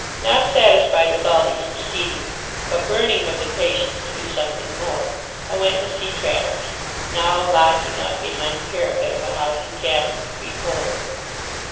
Not satisfied with all these proceedings, but burning with impatience to do something more, I went to see Traddles, now lodging up behind the parapet of a house in Castle Street, Holborn.